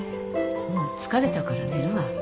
もう疲れたから寝るわ。